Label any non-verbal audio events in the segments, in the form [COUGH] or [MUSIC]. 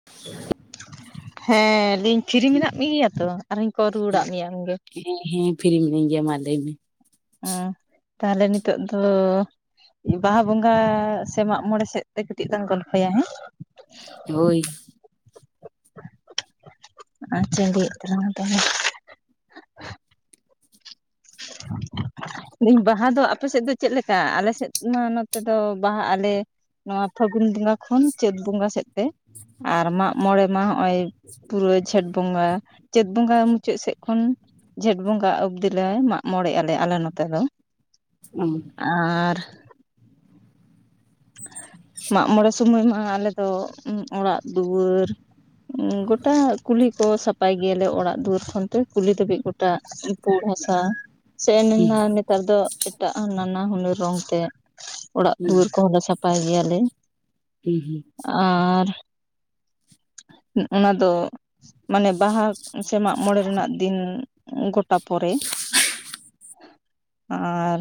[INAUDIBLE] ᱦᱮᱸ ᱞᱟᱹᱤᱧ ᱯᱷᱤᱨᱤ ᱢᱮᱱᱟᱜ ᱢᱮᱜᱮᱭᱟ ᱛᱚ ᱟᱨᱦᱚᱸᱧ ᱠᱚᱞ ᱨᱩᱭᱟᱲᱟᱹᱜ ᱢᱮᱭᱟ ᱟᱢ ᱜᱮ᱾ ᱦᱮᱸ ᱦᱮᱸ ᱯᱷᱤᱨᱤ ᱢᱤᱱᱟᱹᱧ ᱜᱮᱭᱟ ᱢᱟᱞᱟᱹᱭ ᱢᱮ᱾ ᱚᱸ ᱛᱟᱦᱞᱮ ᱱᱤᱛᱚᱜ ᱫᱚ ᱵᱟᱦᱟ ᱵᱚᱸᱜᱟ ᱥᱮ ᱢᱟᱜᱽ ᱢᱚᱬᱮ ᱥᱮᱫ ᱛᱮ ᱠᱟᱹᱴᱤᱡᱽ ᱞᱟᱝ ᱜᱚᱞᱯᱷᱚᱭᱟ ᱦᱮᱸ ᱦᱳᱭ ᱟᱪᱪᱷᱟ ᱞᱟᱹᱭ ᱮᱫ ᱛᱟᱞᱟᱝ ᱟ ᱛᱟᱦᱞᱮ [INAUDIBLE] ᱞᱟᱹᱭ ᱟᱹᱧ ᱵᱟᱦᱟ ᱫᱚ ᱟᱯᱮ ᱥᱮᱫ ᱫᱚ ᱪᱮᱫ ᱞᱮᱠᱟ? ᱟᱞᱮ ᱥᱮᱫ ᱢᱟ ᱱᱚᱛᱮ ᱫᱚ ᱵᱟᱦᱟ ᱟᱞᱮ ᱱᱚᱣᱟ ᱯᱷᱟᱹᱜᱩᱱ ᱵᱚᱸᱜᱟ ᱠᱷᱚᱱ ᱪᱟᱹᱛ ᱵᱚᱸᱜᱟ ᱥᱮᱫ ᱛᱮ ᱟᱨ ᱢᱟᱜᱽ ᱢᱚᱬᱮ ᱢᱟ ᱱᱜᱼᱚᱭ ᱯᱩᱨᱟᱹ ᱡᱷᱮᱸᱴ ᱵᱚᱸᱜᱟ ᱪᱟᱹᱛ ᱵᱚᱸᱜᱟ ᱢᱩᱪᱟᱹᱫ ᱥᱮᱫ ᱠᱷᱚᱱ ᱡᱷᱮᱸᱴ ᱵᱚᱸᱜᱟ ᱚᱵᱽᱫᱤᱞᱮ ᱢᱟᱜ ᱢᱚᱬᱮ ᱟᱞᱮ ᱟᱞᱮ ᱱᱚᱛᱮ ᱫᱚ ᱚᱚ ᱟᱨ ᱢᱟᱜ ᱢᱚᱬᱮ ᱥᱚᱢᱚᱭ ᱢᱟ ᱟᱞᱮ ᱫᱚ ᱚᱲᱟᱜ ᱫᱩᱣᱟᱹᱨ ᱚ ᱜᱚᱴᱟ ᱠᱩᱞᱦᱤ ᱠᱚ ᱥᱟᱯᱟᱭ ᱜᱮᱭᱟᱞᱮ ᱚᱲᱟᱜ ᱫᱩᱣᱟᱹᱨ ᱠᱚ ᱦᱚᱱᱛᱮ ᱠᱩᱞᱦᱤ ᱫᱷᱟᱹᱵᱤᱡ ᱜᱚᱴᱟ ᱯᱩᱲ ᱦᱟᱥᱟ ᱥᱮᱱ ᱮᱱᱟ ᱱᱮᱛᱟᱨ ᱫᱚ ᱮᱴᱟᱜ ᱱᱟᱱᱟᱦᱩᱱᱟᱹᱨ ᱨᱚᱝ ᱛᱮ ᱚᱲᱟᱜ ᱫᱩᱣᱟᱹᱨ ᱠᱚ ᱦᱚᱞᱮ ᱥᱟᱯᱷᱟᱭ ᱜᱮᱭᱟᱞᱮ ᱩ ᱦᱩᱸ ᱟᱨ ᱚ-ᱚᱱᱟ ᱫᱚ ᱢᱟᱱᱮ ᱵᱟᱦᱟ ᱥᱮ ᱢᱟᱜ ᱢᱚᱬᱮ ᱨᱮᱱᱟᱜ ᱫᱤᱱ ᱚ ᱜᱚᱴᱟ ᱯᱚᱨᱮ ᱟᱨ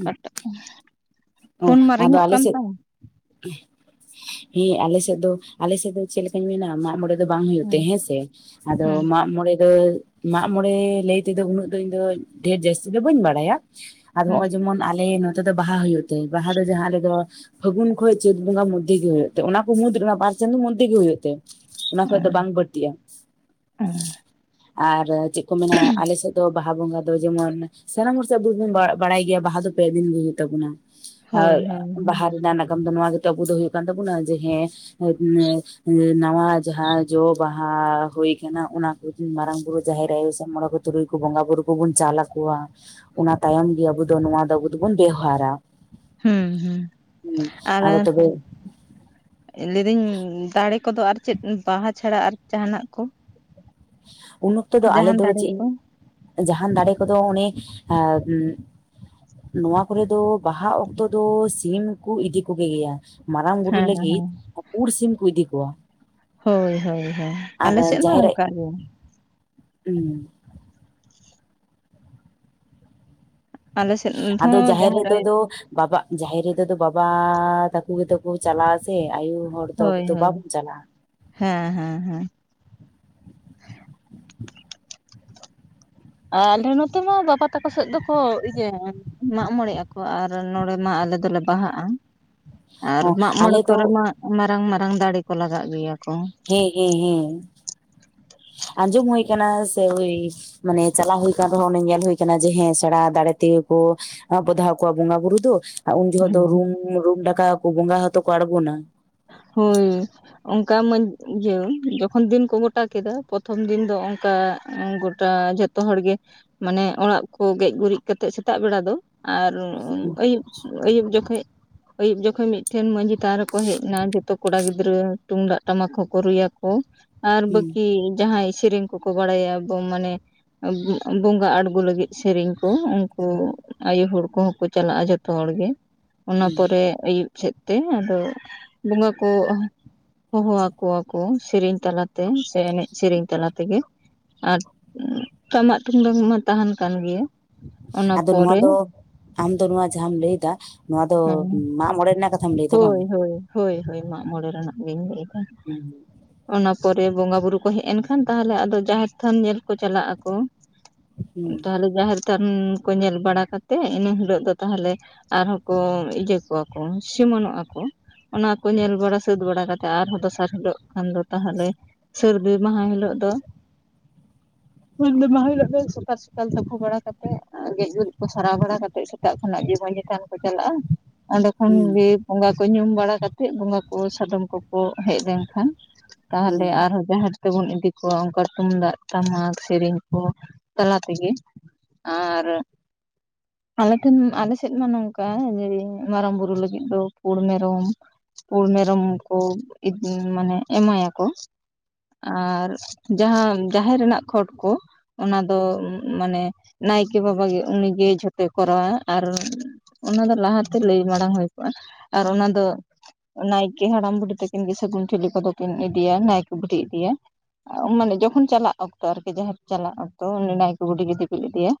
ᱠᱟ ᱴᱟᱜ ᱯᱩᱱ ᱚ ᱯᱷᱳᱱ ᱢᱟ ᱟᱫᱚ ᱨᱤᱝᱚᱜ ᱟᱞᱮ ᱠᱟᱱ ᱥᱮᱫ ᱛᱟᱢ ᱦᱮᱸ ᱟᱞᱮ ᱥᱮᱫ ᱫᱚ ᱟᱞᱮ ᱥᱮᱫ ᱫᱚ ᱪᱮᱫ ᱞᱮᱠᱟᱧ ᱢᱮᱱᱟ ᱢᱟᱜ ᱢᱚᱬᱮ ᱵᱟᱝ ᱦᱩᱭᱩᱜ ᱛᱮ ᱦᱮᱸ ᱦᱮᱸᱥᱮ ᱟᱫᱚ ᱦᱮᱸ ᱢᱟᱜ ᱢᱚᱬᱮ ᱨᱮ ᱢᱟᱜᱽ ᱢᱚᱬᱮ ᱞᱟᱹᱭ ᱛᱮᱫᱚ ᱩᱱᱟᱹᱜ ᱫᱚ ᱤᱧᱫᱚᱧ ᱰᱷᱮᱨ ᱡᱟᱹᱥᱛᱤ ᱫᱚ ᱵᱟᱹᱧ ᱵᱟᱲᱟᱭᱟ ᱟᱨᱦᱚ ᱦᱮᱸ ᱱᱚᱜ-ᱚᱭ ᱡᱮᱢᱚᱱ ᱟᱞᱮ ᱱᱚᱛᱮ ᱫᱚ ᱵᱟᱦᱟ ᱦᱩᱭᱩᱜ ᱛᱮ ᱵᱟᱦᱟ ᱫᱚ ᱡᱟᱦᱟᱸ ᱟᱞᱮ ᱫᱚ ᱯᱷᱟᱹᱜᱩᱱ ᱠᱷᱚᱡ ᱪᱟᱹᱛ ᱵᱚᱸᱜᱟ ᱢᱚᱫᱽᱫᱷᱮ ᱜᱮ ᱦᱩᱭᱩᱜ ᱛᱮ ᱚᱱᱟ ᱠᱚ ᱢᱩᱫᱽᱨᱮᱢᱟ ᱚᱱᱟ ᱵᱟᱨ ᱪᱟᱸᱫᱚ ᱢᱚᱫᱽᱫᱷᱮ ᱜᱮ ᱦᱩᱭᱩᱜ ᱛᱮ ᱚᱱᱟ ᱠᱷᱚᱡᱽ ᱫᱚ ᱵᱟᱝ ᱵᱟᱹᱲᱛᱤᱜ-ᱟ ᱟᱨ ᱪᱮᱫ ᱠᱚ ᱢᱮᱱᱟ ᱟᱞᱮ ᱥᱮᱡ ᱫᱚ ᱵᱟᱦᱟ ᱵᱚᱸᱜᱟ ᱫᱚ ᱡᱮᱢᱚᱱ ᱥᱟᱱᱟᱢ ᱦᱚᱲ ᱥᱮ ᱟᱵᱚᱵᱚᱱ ᱵᱟ ᱵᱟᱲᱟᱭ ᱜᱮᱭᱟ ᱵᱟᱦᱟ ᱫᱚ ᱯᱮ ᱫᱤᱱ ᱜᱮ ᱦᱩᱭᱩᱜ ᱛᱟᱵᱚᱱᱟ ᱦᱳᱭ ᱟᱨ ᱦᱳᱭ ᱦᱳᱭ ᱵᱟᱦᱟ ᱨᱮᱱᱟᱜ ᱱᱟᱜᱟᱢ ᱫᱚ ᱱᱚᱣᱟ ᱜᱮᱛᱚ ᱟᱵᱚ ᱫᱚ ᱦᱩᱭᱩᱜ ᱠᱟᱱ ᱛᱟᱵᱩᱱᱟ ᱡᱮ ᱦᱮᱸ ᱮ ᱮ ᱱᱟᱣᱟ ᱡᱟᱦᱟᱸ ᱡᱚ ᱵᱟᱦᱟ ᱦᱩᱭ ᱠᱟᱱᱟ ᱚᱱᱟ ᱠᱚ ᱢᱟᱨᱟᱝ ᱵᱩᱨᱩ ᱡᱟᱦᱮᱨ ᱟᱭᱳ ᱥᱮ ᱢᱚᱬᱮ ᱠᱚ ᱛᱩᱨᱩᱭ ᱠᱚ ᱠᱩ ᱵᱚᱸᱜᱟ ᱵᱩᱨᱩ ᱠᱚᱵᱩᱱ ᱪᱟᱞ ᱟᱠᱚᱣᱟ ᱚᱱᱟ ᱛᱟᱭᱚᱢ ᱜᱮ ᱟᱵᱚ ᱫᱚ ᱱᱚᱣᱟ ᱫᱚ ᱟᱵᱚ ᱫᱚᱵᱩᱱ ᱵᱮᱣᱦᱟᱨᱟ ᱦᱩᱸ ᱦᱩ ᱦᱮᱸ ᱟᱨ ᱟᱫᱚ ᱟᱨ ᱛᱚᱵᱮ ᱮ ᱞᱟᱹᱭ ᱫᱟᱹᱧ ᱫᱟᱲᱮ ᱠᱚᱫᱚ ᱟᱨ ᱪᱮᱫ ᱵᱟᱦᱟ ᱪᱷᱟᱲᱟ ᱟᱨ ᱡᱟᱦᱟᱱᱟᱜ ᱠᱚ ᱩᱱ ᱚᱠᱛᱚ ᱫᱚ ᱟᱞᱮ ᱡᱟᱦᱟᱱ ᱫᱚ ᱫᱟᱲᱮ ᱪᱮᱫ ᱠᱚ ᱡᱟᱦᱟᱱ ᱫᱟᱨᱮ ᱠᱚᱫᱚ ᱚᱱᱮ ᱟ ᱮ ᱱᱚᱣᱟ ᱠᱚᱨᱮ ᱫᱚ ᱵᱟᱦᱟ ᱚᱠᱛᱚ ᱫᱚ ᱥᱤᱢ ᱠᱚ ᱤᱫᱤ ᱠᱚ ᱜᱮᱭᱟ ᱢᱟᱨᱟᱝ ᱵᱩᱨᱩ ᱦᱮᱸ ᱦᱮᱸ ᱞᱟᱹᱜᱤᱫ ᱯᱩᱰ ᱥᱤᱢ ᱠᱚ ᱤᱫᱤ ᱠᱚᱣᱟ ᱦᱳᱭ ᱦᱳᱭ ᱦᱳᱭ ᱟᱨ ᱟᱞᱮᱥᱮᱡ ᱢᱟ ᱚᱱᱠᱟ ᱜᱮ ᱩᱸ ᱟᱞᱮ ᱥᱮᱫ ᱟᱫᱚ ᱦᱚᱸ ᱡᱟᱦᱮᱨ ᱨᱮ ᱫᱚ ᱟᱭᱳ ᱫᱚ ᱵᱟᱵᱟ ᱡᱟᱦᱮᱨ ᱨᱮᱫᱚ ᱫᱚ ᱵᱟᱵᱟ ᱛᱟᱠᱚ ᱜᱮᱛᱚ ᱠᱚ ᱪᱟᱞᱟᱜ-ᱟ ᱥᱮ ᱟᱭᱩ ᱦᱚᱲ ᱦᱳᱭ ᱫᱚ ᱦᱳᱭ ᱵᱟᱵᱚᱱ ᱪᱟᱞᱟᱜᱼᱟ ᱦᱮ ᱦᱮ ᱦᱮ ᱟᱞᱮ ᱱᱚᱛᱮ ᱢᱟ ᱵᱟᱵᱟ ᱛᱟᱠᱚ ᱥᱮᱫ ᱫᱚᱠᱚ ᱤᱭᱟᱹ ᱢᱟᱜ ᱢᱚᱬᱮᱜ ᱟᱠᱚ ᱟᱨ ᱱᱚᱸᱰᱮ ᱢᱟ ᱟᱞᱮ ᱫᱚᱞᱮ ᱵᱟᱦᱟᱜ-ᱟ ᱟᱨ ᱦᱚᱸ ᱢᱟᱜ ᱢᱚᱬᱮ ᱟᱞᱮ ᱫᱚ ᱠᱚᱨᱮ ᱢᱟ ᱢᱟᱨᱟᱝ ᱢᱟᱨᱟᱝ ᱫᱟᱬᱮ ᱠᱚ ᱞᱟᱜᱟᱜ ᱜᱮᱭᱟ ᱠᱚ ᱦᱮᱸ ᱦᱮᱸ ᱦᱮᱸ ᱟᱸᱡᱚᱢ ᱦᱩᱭ ᱠᱟᱱᱟ ᱥᱮ ᱦᱳᱭ ᱢᱟᱱᱮ ᱪᱟᱞᱟ ᱦᱩᱭ ᱠᱟᱱ ᱨᱮᱦᱚᱸ ᱚᱱᱮ ᱧᱮᱞ ᱦᱩᱭ ᱠᱟᱱᱟ ᱡᱮ ᱦᱮᱸ ᱥᱮᱬᱟ ᱫᱟᱬᱮ ᱛᱮᱜᱮ ᱠᱚ ᱵᱚᱫᱷᱟᱣ ᱠᱚᱣᱟ ᱵᱚᱸᱜᱟ ᱵᱩᱨᱩ ᱫᱚ ᱩᱱ ᱡᱚᱠᱷᱚᱜ ᱫᱚ ᱨᱩᱢ ᱨᱩᱢ ᱰᱟᱠᱟᱶ ᱵᱚᱸᱜᱟ ᱦᱚᱛᱚ ᱠᱚ ᱟᱲᱜᱚᱱᱟ ᱦᱩᱸ ᱚᱱᱠᱟ ᱢᱟᱹᱧ ᱤᱭᱟᱹ ᱡᱚᱠᱷᱚᱱ ᱫᱤᱱ ᱠᱚ ᱜᱚᱴᱟ ᱠᱮᱫᱟ ᱯᱨᱚᱛᱷᱚᱢ ᱫᱤᱱ ᱫᱚ ᱚᱱᱠᱟ ᱜᱚᱴᱟ ᱡᱷᱟᱹᱛ ᱛᱚᱦᱚᱲ ᱜᱮ ᱢᱟᱱᱮ ᱚᱲᱟᱜ ᱠᱚ ᱜᱮᱡ ᱜᱩᱨᱤᱡ ᱠᱟᱛᱮ ᱥᱮᱛᱟᱜ ᱵᱮᱲᱟ ᱫᱚ ᱟᱨ ᱚ ᱟᱹᱭᱩᱵ ᱟᱹᱭᱩᱵ ᱡᱚᱠᱷᱮᱡ ᱟᱹᱭᱩᱵ ᱡᱚᱠᱷᱮᱡ ᱢᱤᱫᱴᱷᱮᱱ ᱢᱟᱺᱡᱷᱤ ᱛᱷᱟᱱ ᱨᱮᱠᱚ ᱦᱮᱡ ᱱᱟ ᱡᱚᱛᱚ ᱠᱚᱲᱟ ᱜᱤᱫᱽᱨᱟᱹ ᱛᱩᱢᱫᱟᱜ ᱴᱟᱢᱟᱠ ᱦᱚᱸᱠᱚ ᱨᱩᱭᱟᱠᱚ ᱟᱨ ᱦᱮᱸ ᱵᱟᱹᱠᱤ ᱡᱟᱦᱟᱸᱭ ᱥᱮᱨᱮᱧ ᱠᱚᱠᱚ ᱵᱟᱲᱟᱭᱟ ᱵᱚ ᱢᱟᱱᱮ ᱵᱚᱸᱜᱟ ᱟᱬᱜᱳ ᱞᱟᱹᱜᱤᱫ ᱥᱮᱨᱮᱧ ᱠᱚ ᱩᱱᱠᱚ ᱟᱭᱩ ᱦᱚᱲ ᱠᱚᱦᱚᱸ ᱠᱚ ᱪᱟᱞᱟᱜ-ᱟ ᱡᱷᱚᱛᱚ ᱦᱚᱲ ᱜᱮ ᱚᱱᱟ ᱯᱚᱨᱮ ᱟᱹᱭᱩᱵ ᱥᱮᱫᱛᱮ ᱟᱫᱚ ᱵᱚᱸᱜᱟ ᱠᱚ ᱦᱚᱦᱚ ᱟᱠᱚ ᱣᱟᱠᱚ ᱥᱮᱹᱨᱮᱧ ᱛᱟᱞᱟ ᱛᱮ ᱥᱮ ᱮᱱᱮᱡ ᱥᱮᱹᱨᱮᱹᱧ ᱛᱟᱞᱟ ᱛᱮᱜᱮ ᱟᱨ ᱴᱟᱢᱟᱠ ᱛᱩᱢᱫᱟᱜ ᱢᱟ ᱛᱟᱦᱮᱱ ᱠᱟᱱ ᱜᱮᱭᱟ᱾ ᱚᱱᱟ ᱟᱫᱚ ᱱᱚᱣᱟ ᱯᱚᱨᱮ ᱫᱚ ᱟᱢ ᱫᱚ ᱱᱚᱣᱟ ᱡᱟᱦᱟᱢ ᱞᱟᱹᱭᱫᱟ ᱱᱚᱣᱟ ᱫᱚ ᱢᱟᱜ ᱢᱚᱬᱮ ᱨᱮᱱᱟᱜ ᱠᱟᱛᱷᱟᱢ ᱞᱟᱹᱭ ᱫᱟ ᱵᱟᱝ ᱦᱳᱭ ᱦᱳᱭ ᱦᱳᱭ ᱦᱳᱭ ᱢᱟᱜ ᱢᱚᱬᱮ ᱨᱮᱱᱟᱜ ᱜᱤᱧ ᱞᱟᱹᱭᱫᱟ᱾ ᱦᱩᱸ ᱚᱱᱟ ᱯᱚᱨᱮ ᱵᱚᱸᱜᱟ ᱵᱩᱨᱩ ᱠᱚ ᱦᱮᱡ ᱮᱱ ᱠᱷᱟᱱ ᱛᱟᱦᱚᱞᱮ ᱟᱫᱚ ᱡᱟᱦᱮᱨ ᱛᱷᱟᱱ ᱧᱮᱞ ᱠᱚ ᱪᱟᱞᱟᱜ ᱟᱠᱚ᱾ ᱦᱩᱸ ᱛᱟᱦᱚᱞᱮ ᱡᱟᱦᱮᱨ ᱛᱷᱟᱱ ᱠᱚ ᱧᱮᱞ ᱵᱟᱲᱟ ᱠᱟᱛᱮ ᱤᱱᱟᱹ ᱦᱤᱞᱳᱜ ᱫᱚ ᱛᱟᱦᱞᱮ ᱟᱨᱦᱚᱸ ᱠᱚ ᱤᱭᱟᱹ ᱠᱚᱣᱟ ᱠᱚ ᱥᱤᱢᱚᱱᱚᱜ-ᱟ ᱠᱚ᱾ ᱚᱱᱟ ᱠᱚ ᱧᱮᱞ ᱵᱟᱲᱟ ᱥᱟᱹᱛ ᱵᱟᱲᱟ ᱠᱟᱛᱮᱜ ᱟᱨᱦᱚᱸ ᱫᱚᱥᱟᱨ ᱦᱤᱞᱳᱜ ᱠᱷᱟᱱ ᱫᱚ ᱛᱟᱦᱚᱞᱮ, ᱥᱟᱹᱨᱫᱤ ᱢᱟᱦᱟᱸ ᱦᱤᱞᱳᱜ ᱫᱚ [UNINTELLIGIBLE] ᱢᱟᱦᱟᱸ ᱦᱤᱞᱳᱜ ᱫᱚ ᱥᱚᱠᱟᱞ ᱥᱚᱠᱟᱞ ᱛᱩᱹᱯᱩ ᱵᱟᱲᱟ ᱠᱟᱛᱮᱫ ᱜᱮᱡ ᱜᱩᱨᱤᱡ ᱠᱚ ᱥᱟᱨᱟᱣ ᱵᱟᱲᱟ ᱠᱟᱛᱮᱫ ᱥᱮᱛᱟᱜ ᱠᱷᱚᱱᱟᱜ ᱜᱮ ᱢᱟᱺᱡᱷᱤ ᱛᱷᱟᱱ ᱪᱟᱞᱟᱜ-ᱟ ᱚᱸᱰᱮ ᱠᱷᱚᱱ ᱦᱩᱸ ᱜᱮ ᱵᱚᱸᱜᱟ ᱠᱚ ᱧᱩᱢ ᱵᱟᱲᱟ ᱠᱟᱛᱮᱫ ᱵᱚᱸᱜᱟ ᱠᱚ ᱥᱟᱫᱚᱢ ᱠᱚᱠᱚ ᱦᱮᱡ ᱞᱮᱱ ᱠᱷᱟᱱ, ᱦᱩᱸ ᱛᱟᱦᱚᱞᱮ ᱟᱨᱦᱚᱸ ᱡᱟᱦᱟᱸ ᱛᱮᱵᱚᱱ ᱤᱫᱤ ᱠᱚᱣᱟ ᱚᱱᱠᱟ ᱛᱩᱢᱫᱟᱜ ᱴᱟᱢᱟᱠ ᱥᱮᱨᱮᱧ ᱠᱚ ᱛᱟᱞᱟ ᱛᱮᱜᱮ ᱟᱨᱻᱨᱚ ᱟᱞᱮ ᱴᱷᱮᱱ ᱟᱞᱮ ᱥᱮᱫ ᱢᱟ ᱱᱚᱝᱠᱟ ᱡᱮ, ᱢᱟᱨᱟᱝ ᱵᱩᱨᱩ ᱞᱟᱹᱜᱤᱫ ᱫᱚ ᱯᱩᱲ ᱢᱮᱨᱚᱢ ᱯᱩᱲ ᱢᱮᱨᱚᱢ ᱠᱚ ᱤᱛ ᱢᱟᱱᱮ ᱮᱢᱟᱭᱟ ᱠᱚ᱾ ᱟᱨ ᱡᱟᱦᱟᱸ ᱡᱟᱦᱮᱨ ᱨᱮᱱᱟᱜ ᱠᱷᱚᱴ ᱠᱚ ᱚᱱᱟ ᱫᱚ ᱢᱟᱱᱮ ᱱᱟᱭᱠᱮ ᱵᱟᱵᱟᱟᱜᱮ ᱩᱱᱤᱜᱮ ᱡᱷᱚᱛᱚᱭ ᱠᱚᱨᱟᱣᱟ ᱟᱨ ᱚᱱᱟ ᱫᱚ ᱞᱟᱦᱟᱛᱮ ᱞᱟᱹᱭ ᱢᱟᱲᱟᱝ ᱦᱩᱭ ᱠᱚᱜᱼᱟ ᱟᱨ ᱚᱱᱟ ᱫᱚ ᱱᱟᱭᱠᱮ ᱦᱟᱲᱟᱢ ᱵᱩᱰᱷᱤ ᱛᱟᱹᱠᱤᱱ ᱜᱮ ᱥᱟᱹᱜᱩᱱ ᱪᱷᱤᱞᱤ ᱠᱚᱫᱚᱠᱤᱱ ᱤᱫᱤᱭᱟ ᱱᱟᱭᱠᱮ ᱵᱩᱰᱷᱤ ᱤᱫᱤᱭᱟᱭ ᱢᱟᱱᱮ ᱡᱚᱠᱷᱚᱱ ᱪᱟᱞᱟᱜ ᱚᱠᱛᱚ ᱟᱨᱠᱤ ᱡᱟᱦᱮᱨ ᱠᱚ ᱪᱟᱞᱟᱜ ᱚᱠᱛᱚ ᱩᱱᱤ ᱱᱟᱭᱠᱮ ᱵᱩᱰᱷᱤ ᱛᱮᱭ ᱫᱤᱯᱤᱞ ᱤᱫᱤᱭᱟᱭ᱾